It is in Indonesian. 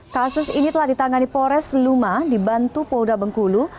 kasus ini telah ditangani pores luma dibantu polda bengkulu